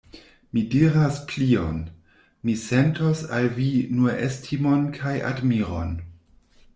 Mi diras plion: mi sentos al vi nur estimon kaj admiron.